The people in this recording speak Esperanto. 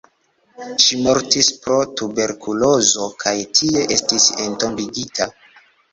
Ŝi mortis pro tuberkulozo kaj tie estis entombigita.